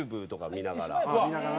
見ながらね。